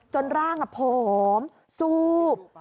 จนร่างอะผอมสูบ